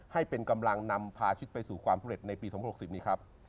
ให้เป็นกำลังนำพาชิดไปสู่ความสำเร็จในปี๒๐๖๐นี้ครับ